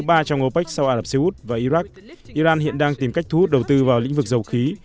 thứ ba trong opec sau ả rập xê út và iraq iran hiện đang tìm cách thu hút đầu tư vào lĩnh vực dầu khí